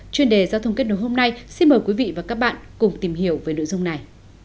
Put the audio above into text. chuyên đề giao thông kết nối hôm nay xin mời quý vị và các bạn cùng tìm hiểu về nội dung này